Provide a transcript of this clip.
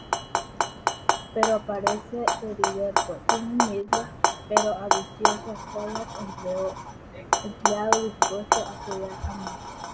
Pero aparece Heriberto, un humilde, pero ambicioso joven empleado dispuesto a apoyar a Marta.